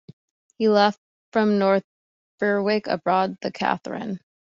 He left from North Berwick aboard the "Katherine".